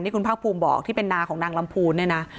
คุณภาคภูมิบอกที่เป็นนาของนางลำพูนเนี่ยนะ